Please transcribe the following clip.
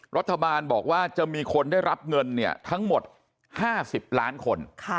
รัฐบาลบอกว่าจะมีคนได้รับเงินทั้งหมด๕๐ล้านคน